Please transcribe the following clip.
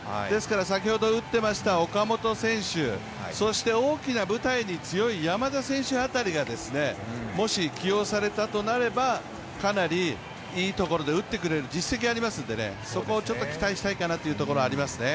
先ほど打ってました岡本選手、そして大きな舞台に強い山田選手辺りがもし起用されたとなれば、かなりいいところで打ってくれる実績がありますんで、そこを期待したいと思いますね。